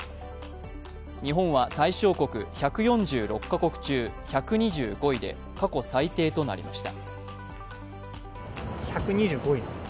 日本は、対象国１４６か国中１２５位で過去最低となりました。